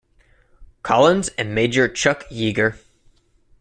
Collins and Major Chuck Yeager.